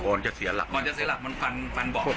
ก่อนจะเสียหลักก่อนที่จะเสียหลักก็คือฟันเข้าที่ท้ายรถ